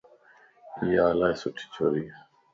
ايا الائي سھڻي ڇوريَ